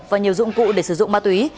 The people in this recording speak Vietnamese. và nhiều dụng cụ để sử dụng ma túy